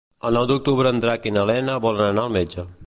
El nou d'octubre en Drac i na Lena volen anar al metge.